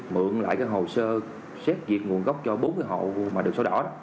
mượn lại cái hồ sơ xét việc nguồn gốc cho bốn cái hộ mà được sổ đỏ đó